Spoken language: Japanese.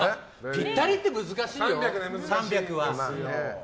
ぴったりって難しいよ、３００は。